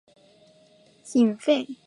隐肺螺为阿地螺科隐肺螺属的动物。